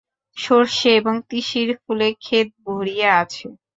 সরষে এবং তিসির ফুলে খেত ভরিয়া আছে।